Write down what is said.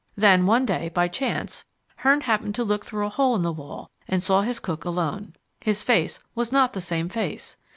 Then one day, by chance, Hearn happened to look through a hole in the wall and saw his cook alone. His face was not the same face.